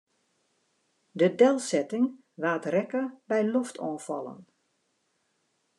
De delsetting waard rekke by loftoanfallen.